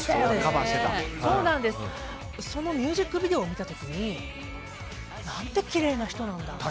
そのミュージックビデオを見た時に何てきれいな人なんだと。